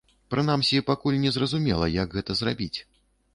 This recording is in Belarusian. Прынамсі, пакуль не зразумела, як гэта зрабіць.